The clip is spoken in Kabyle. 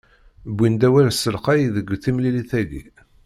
Wwin-d awal s telqay deg temlilit-agi.